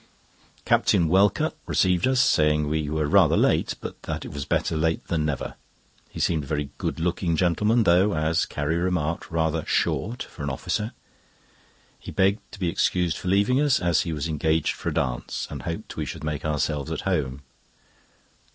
Captain Welcut received us, saying we were rather late, but that it was better late than never. He seemed a very good looking gentleman though, as Carrie remarked, "rather short for an officer." He begged to be excused for leaving us, as he was engaged for a dance, and hoped we should make ourselves at home.